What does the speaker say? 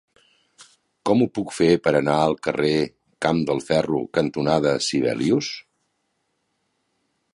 Com ho puc fer per anar al carrer Camp del Ferro cantonada Sibelius?